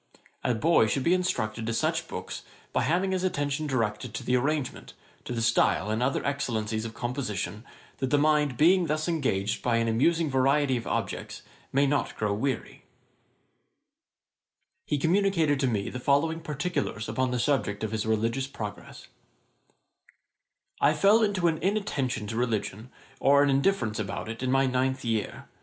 A boy should be introduced to such books, by having his attention directed to the arrangement, to the style, and other excellencies of composition; that the mind being thus engaged by an amusing variety of objects, may not grow weary.' [Page 68: Law's Serious Call. A.D. 1729.] [Page 69: Johnson grounded in religion. Ætat 20.] He communicated to me the following particulars upon the subject of his religious progress. 'I fell into an inattention to religion, or an indifference about it, in my ninth year.